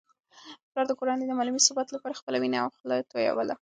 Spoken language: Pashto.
پلار د کورنی د مالي ثبات لپاره خپله وینه او خوله تویوي.